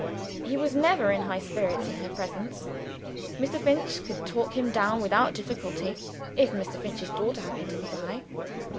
He was never in high spirits in her presence. Mr. Finch could talk him down without difficulty, if Mr. Finch's daughter happened to be by.